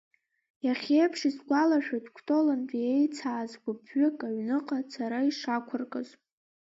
Иахьеиԥш исгәалашәоит, Кәтолынтәи еицааз гәыԥҩык аҩныҟа ацара ишақәыркыз.